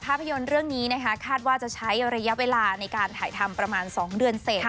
ภาพยนตร์เรื่องนี้นะคะคาดว่าจะใช้ระยะเวลาในการถ่ายทำประมาณ๒เดือนเสร็จ